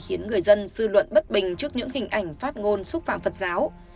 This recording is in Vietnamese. khiến người dân dư luận bất bình trước những hình ảnh phát ngôn xúc phạm phật giáo